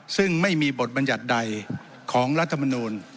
ซึ่งไม่มีบทบัญญัติใดของรัฐมนูล